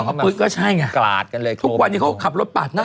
อยากเอาปืนก็ใช่ไงทุกวันนี้เขาขับรถปาดหน้า